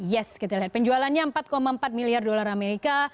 yes kita lihat penjualannya empat empat miliar dolar amerika